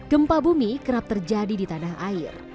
gempa bumi kerap terjadi di tanah air